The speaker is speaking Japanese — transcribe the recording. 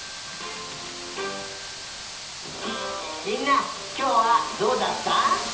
みんなきょうはどうだった？